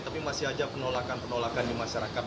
tapi masih aja penolakan penolakan di masyarakat